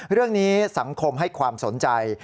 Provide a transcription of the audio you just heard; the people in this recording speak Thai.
เรื่องนี้สังคมให้ความสนใจ